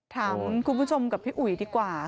ถามคุณผู้ชมกับพี่อุ๋ยดีกว่า